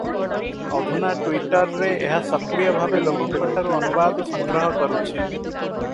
ଅଧୁନା ଟୁଇଟରରରେ ଏହା ସକ୍ରିୟ ଭାବେ ଲୋକଙ୍କଠାରୁ ଅନୁବାଦ ସଂଗ୍ରହ କରୁଛି ।